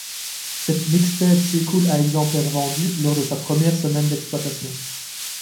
Cette mixtape s'écoule à exemplaires vendus lors de sa première semaine d'exploitation.